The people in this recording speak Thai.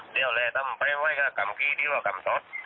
แด้วเรี้ยทำเป็นไว้ก็กำกี้ดีต่อกำสด